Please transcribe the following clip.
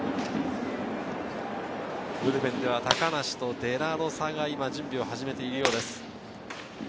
ブルペンでは高梨とデラロサが準備を始めているようです。